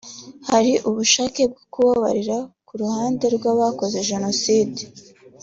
hari ubushake bwo kubabarira ku ruhande rw’abarokotse Jenoside